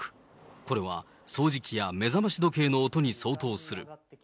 これは掃除機や目覚まし時計の音に相当する。